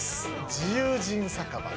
自由人酒場」